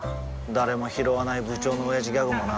誰もひろわない部長のオヤジギャグもな